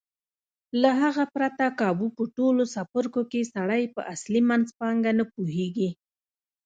له هغه پرته کابو په ټولو څپرکو کې سړی په اصلي منځپانګه نه پوهېږي.